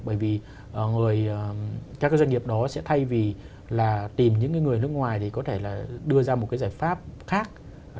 bởi vì các cái doanh nghiệp đó sẽ thay vì là tìm những người nước ngoài thì có thể là đưa ra một cái giải pháp khác